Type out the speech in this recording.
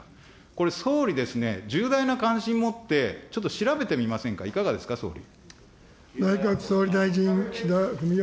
これ、総理ですね、重大な関心持って、ちょっと調べてみませんか、いかがですか、総理。